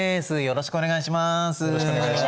よろしくお願いします。